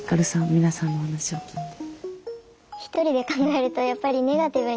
皆さんのお話を聞いて。